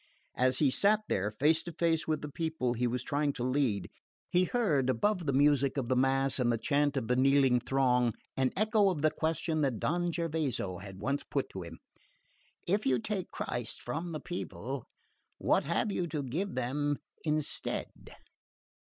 As he sat there, face to face with the people he was trying to lead, he heard above the music of the mass and the chant of the kneeling throng an echo of the question that Don Gervaso had once put to him: "If you take Christ from the people, what have you to give them instead?"